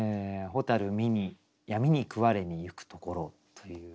「蛍見に闇に食われにゆくところ」という。